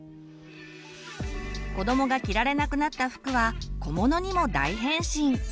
こどもが着られなくなった服は小物にも大変身！